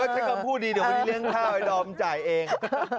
ใช้คำพูดดีเดี๋ยววันนี้เลี้ยงข้าวไอ้ดอมจ่ายเอง